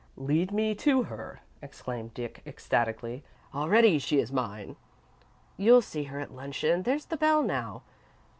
"Lead me to her," exclaimed Dick ecstatically. "Already she is mine!" "You'll see her at luncheon. There's the bell, now."